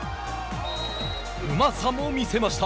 うまさも見せました。